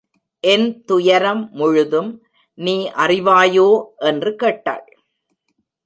என் துயரம் முழுதும் நீ அறிவாயோ! என்று கேட்டாள்.